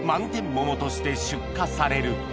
桃として出荷される